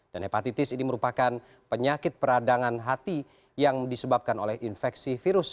dan hepatitis ini merupakan penyakit peradangan hati yang disebabkan oleh infeksi virus